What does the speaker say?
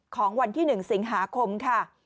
ของวันที่๑สิงหาคมค่ะ